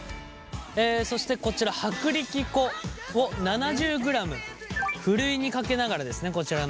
そしてこちら薄力粉を７０ｇふるいにかけながらですねこちらの。